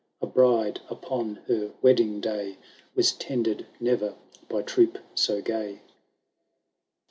A bride upon her wedding day. Was tended ne*er by troop so gay.